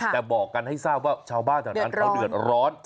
แต่บอกกันให้ทราบว่าชาวบ้านเดือดร้อน